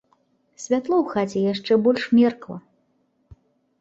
Святло ў хаце яшчэ больш меркла.